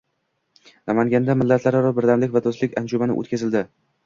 Namanganda millatlararo birdamlik va do‘stlik anjumani o‘tkazilding